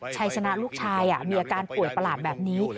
ชัยชนะลูกชายมีอาการป่วยประหลาดแบบนี้